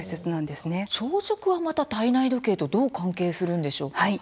朝食はまた体内時計とどう関係するんでしょうか。